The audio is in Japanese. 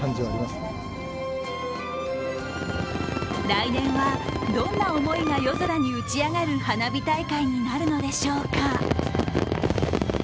来年はどんな思いが夜空に打ち上がる花火大会になるのでしょうか。